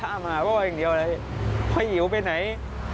เขาถามมาว่าอย่างเดียวเลยพ่ออิ๋วไปไหน